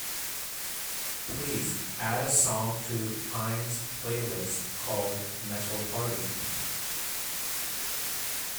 Please add a song to ines's playlist called Metal Party